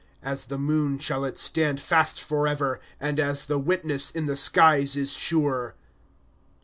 ^'^ As the moon shall it stand fast forever, And as the witness in the skies is sure.